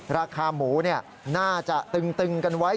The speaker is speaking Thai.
ราคาหมูน่าจะตึงกันไว้